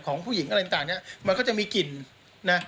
ของผู้หญิงอะไรต่างเนี่ยมันก็จะมีกลิ่นนะ